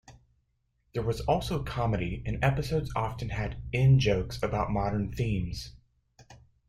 There was also comedy and episodes often had "in-jokes" about modern themes.